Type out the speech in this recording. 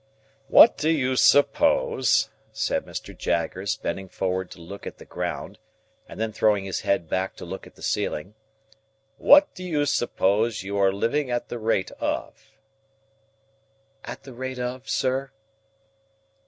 "What do you suppose," said Mr. Jaggers, bending forward to look at the ground, and then throwing his head back to look at the ceiling,—"what do you suppose you are living at the rate of?" "At the rate of, sir?"